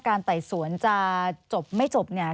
ไต่สวนจะจบไม่จบเนี่ย